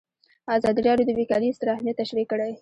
ازادي راډیو د بیکاري ستر اهميت تشریح کړی.